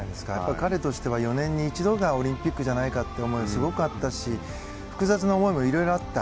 彼としては４年に一度がオリンピックじゃないかっていう思いがすごく強かったし複雑な思いもいろいろあった。